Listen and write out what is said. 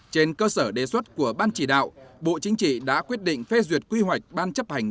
trên cơ sở đề xuất của ban chỉ đạo bộ chính trị đã quyết định phê duyệt quy hoạch ban chấp hành